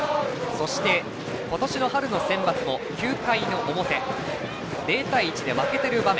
そして、今年の春のセンバツも９回の表０対１で負けている場面。